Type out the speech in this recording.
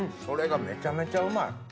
それがめちゃめちゃうまい。